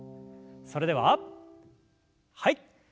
それでははい。